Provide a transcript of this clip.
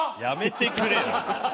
やめてくれよ。